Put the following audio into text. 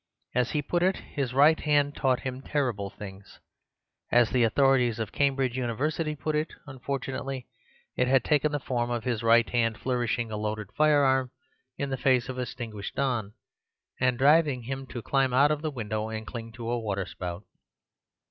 As he put it, his right hand taught him terrible things. As the authorities of Cambridge University put it, unfortunately, it had taken the form of his right hand flourishing a loaded firearm in the very face of a distinguished don, and driving him to climb out of the window and cling to a waterspout.